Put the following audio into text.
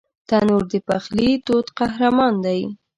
تنور د پخلي تود قهرمان دی